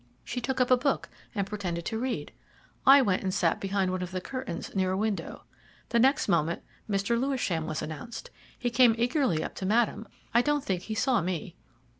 She took up a book, and pretended to read. I went and sat behind one of the curtains, near a window. The next moment Mr. Lewisham was announced. He came eagerly up to Madame I don't think he saw me.